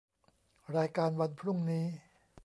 รายการวันพรุ่งนี้